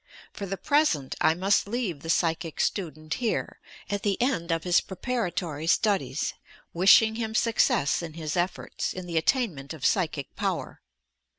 For the present, I must leave the psychic student here, at the end of his preparatory studies, — wishing him success in bis efforts, in the attainment of psychic power.